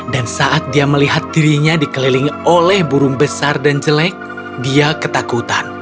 dan saat dia melihat dirinya dikelilingi oleh burung besar dan jelek dia ketakutan